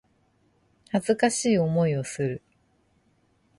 恥ずかしい思いをする